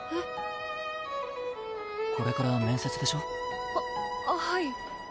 これから面接でしょ？ははい。